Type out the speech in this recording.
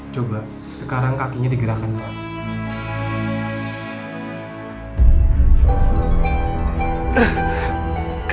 coba sekarang kakinya digerakkan pak